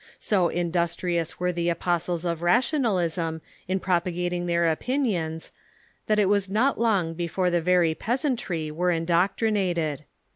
So industrious were the apos tles of Rationalism in propagating their opinions that it was not long before the very peasantry were indoctrinated.